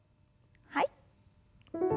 はい。